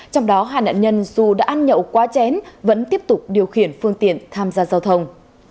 trong đó hai nạn nhân dù đã ăn nhậu quá chén vẫn tiếp tục điều khiển phương tiện tham gia giao thông